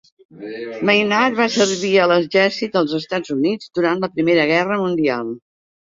Maynard va servir a l'exèrcit dels Estats Units durant la Primera Guerra Mundial.